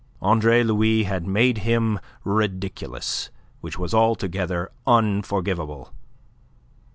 Andre Louis had made him ridiculous, which was altogether unforgivable.